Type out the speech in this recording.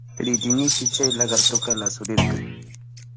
Ridinipi chay lakartuka lasurirka.